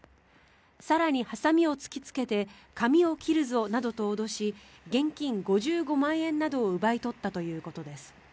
更にハサミを突きつけて髪を切るぞなどと脅し現金５５万円などを奪い取ったということです。